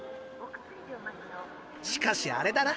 しかしあれだな。